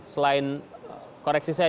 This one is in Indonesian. selain koreksi saya